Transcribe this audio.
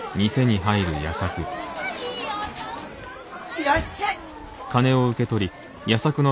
いらっしゃい。